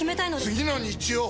次の日曜！